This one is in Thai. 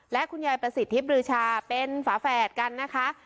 และคุณยายประสิทธิบรือชาเป็นฝาแฝดกันนะคะ